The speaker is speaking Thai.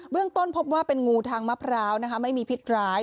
เรื่องต้นพบว่าเป็นงูทางมะพร้าวไม่มีพิษร้าย